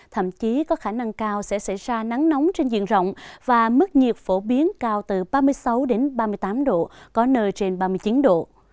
thậm chí có khả năng cao sẽ xảy ra nắng nóng trên diện rộng và mức nhiệt phổ biến cao từ ba mươi sáu đến ba mươi tám độ có nơi trên ba mươi chín độ